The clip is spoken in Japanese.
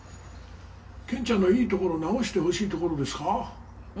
健ちゃんのいいところ直してほしいところですか？」